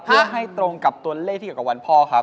เพื่อให้ตรงกับตัวเลขที่เกี่ยวกับวันพ่อครับ